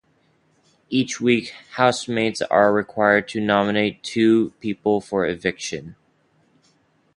Each week, the housemates are required to nominate two people for eviction.